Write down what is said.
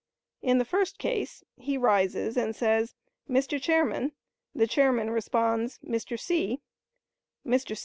In the first case he rises and says, "Mr. Chairman;" the chairman responds, "Mr. C." Mr.